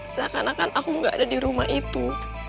seakan akan aku nggak ada di rumah itu